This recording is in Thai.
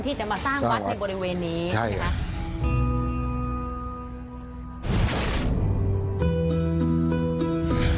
ที่จะมาสร้างวัดในบริเวณนี้ใช่ไหมคะ